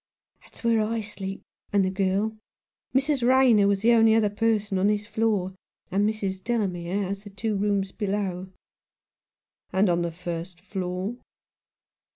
"That's where I sleep, and the girl. Mrs. Rayner was the only other person on this floor, and Mrs. Delamere has the two rooms below." "And on the first floor?"